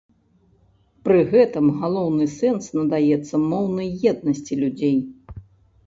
Пры гэтым галоўны сэнс надаецца моўнай еднасці людзей.